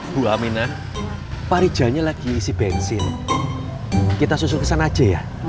bu aminah pak rijalnya lagi isi bensin kita susun ke sana aja ya